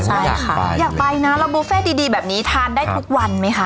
ใช่ค่ะอยากไปนะแล้วบุฟเฟ่ดีแบบนี้ทานได้ทุกวันไหมคะ